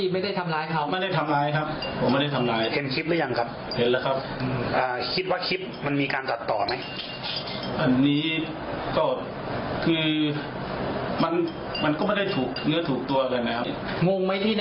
มาทุกเรื่องนี้